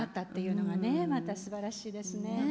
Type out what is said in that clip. またすばらしいですね。